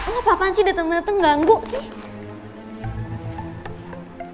ngapaan sih dateng dateng ganggu sih